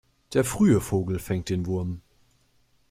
Der frühe Vogel fängt den Wurm.